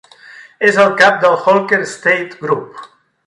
És el Cap del Holker Estate Group.